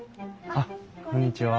あっこんにちは。